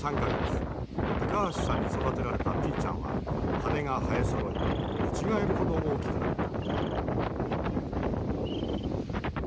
高橋さんに育てられたピーちゃんは羽が生えそろい見違えるほど大きくなった。